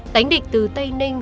đánh địch từ tây ninh